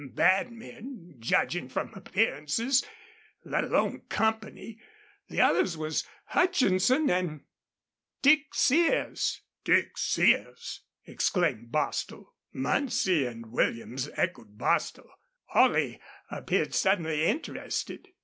Bad men, judgin' from appearances, let alone company. The others was Hutchinson an' Dick Sears." "DICK SEARS!" exclaimed Bostil. Muncie and Williams echoed Bostil. Holley appeared suddenly interested.